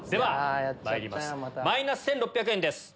まいりますマイナス１６００円です。